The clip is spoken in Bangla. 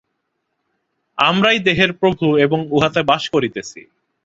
আমরাই দেহের প্রভু এবং উহাতে বাস করিতেছি।